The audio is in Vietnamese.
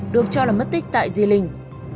được cho là mất tích tại di linh